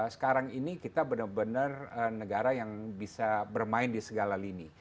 sekarang ini kita benar benar negara yang bisa bermain di segala lini